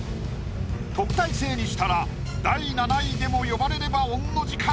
特待生にしたら第７位でも呼ばれれば御の字か？